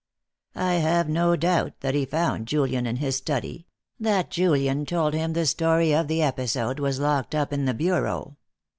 I have no doubt that he found Julian in his study, that Julian told him the story of the episode was locked up in the bureau.